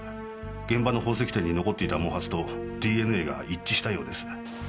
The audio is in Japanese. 現場の宝石店に残っていた毛髪とＤＮＡが一致したようです。